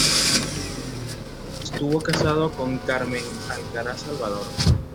Estuvo casado con Carmen Alcaraz Salvador.